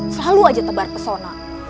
selalu aja tebar pesona